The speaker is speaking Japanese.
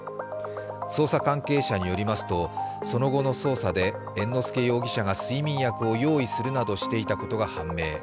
捜査関係者によりますと、その後の捜査で猿之助容疑者が睡眠薬を用意するなどしていたことが判明。